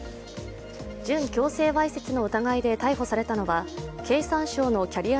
準強制わいせつの疑いで逮捕されたのは経産省のキャリア